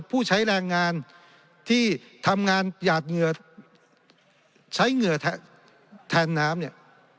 ผู้ใช้แรงงานที่ทำงานหยาดเหงื่อใช้เหงื่อแทนน้ำเนี่ย